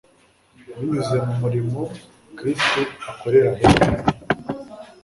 binyuze mu murimo Kristo akorera ahera